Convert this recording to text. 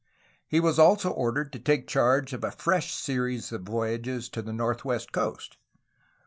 He was also ordered to take charge of a fresh series of voyages to the northwest coast.